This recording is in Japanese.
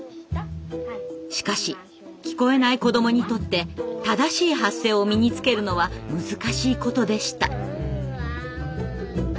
しかし聞こえない子どもにとって正しい発声を身につけるのは難しいことでした。